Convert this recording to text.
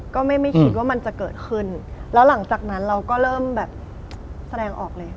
ก็ไม่คิดว่ามันจะเกิดขึ้นแล้วหลังจากนั้นเราก็เริ่มแบบแสดงออกเลย